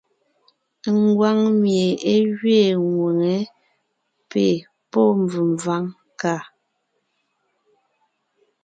Ngwáŋ mie é gẅiin ŋwʉ̀ŋe (P), pɔ́ mvèmváŋ (K).